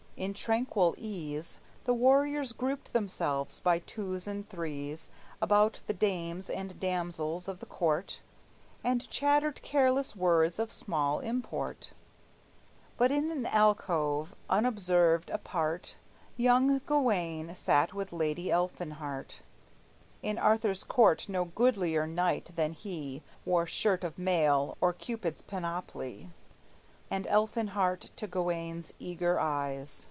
In tranquil ease The warriors grouped themselves by twos and threes About the dames and damsels of the court, And chattered careless words of small import; But in an alcove, unobserved, apart, Young Gawayne sat with Lady Elfinhart, In Arthur's court no goodlier knight than he Wore shirt of mail, or Cupid's panoply; And Elfinhart, to Gawayne's eager eyes.